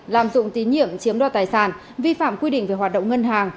lạm dụng tín nhiệm chiếm đo tài sản vi phạm quy định về hoạt động ngân hàng